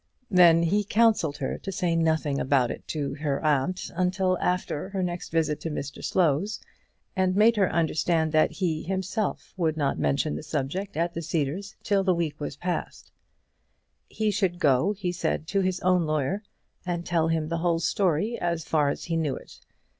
Then he counselled her to say nothing about it to her aunt till after her next visit to Mr Slow's and made her understand that he, himself, would not mention the subject at the Cedars till the week was passed. He should go, he said, to his own lawyer, and tell him the whole story as far as he knew it.